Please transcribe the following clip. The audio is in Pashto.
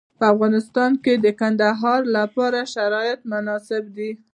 په افغانستان کې د کندهار لپاره شرایط مناسب دي.